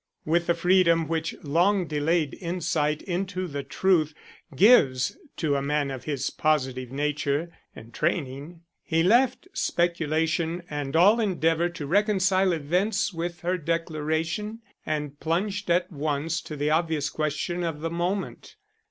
With the freedom which long delayed insight into the truth gives to a man of his positive nature and training, he left speculation and all endeavor to reconcile events with her declaration, and plunged at once to the obvious question of the moment.